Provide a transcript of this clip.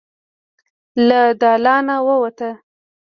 له دالانه ووت.